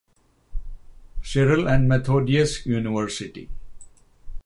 Cyril and Methodius University.